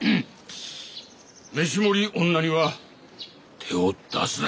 飯盛女には手を出すな。